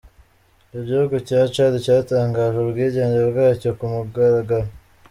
Igihugu cya Chad cyatangaje ubwigenge bwacyo ku mugaragaro.